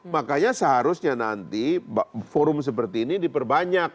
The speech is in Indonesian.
makanya seharusnya nanti forum seperti ini diperbanyak